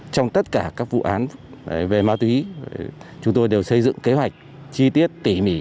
trong tất cả các vụ án về ma túy chúng tôi đều xây dựng kế hoạch chi tiết tỉ mỉ